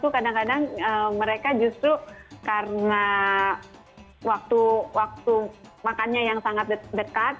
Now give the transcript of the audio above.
kadang kadang mereka justru karena waktu makannya yang sangat dekat